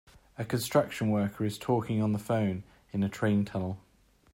A construction worker is talking on the phone in a train tunnel.